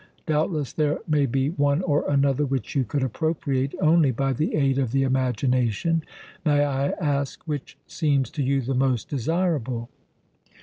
Doubtless there may be one or another which you could appropriate only by the aid of the imagination. May I ask which seems to you the most desirable?"